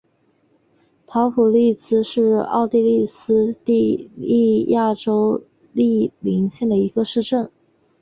陶普利茨是奥地利施蒂利亚州利岑县的一个市镇。